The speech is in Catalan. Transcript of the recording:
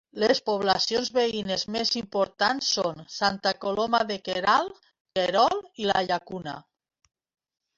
Les poblacions veïnes més importants són Santa Coloma de Queralt, Querol i la Llacuna.